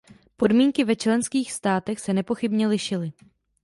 Podmínky ve členských státech se nepochybně lišily.